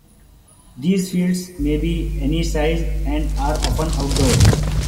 These fields may be any size and are often outdoors.